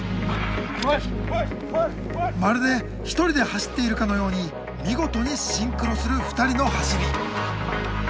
まるで１人で走っているかのように見事にシンクロする２人の走り。